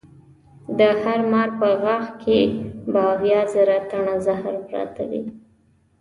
د هر مار په غاښ کې به اویا زره ټنه زهر پراته وي.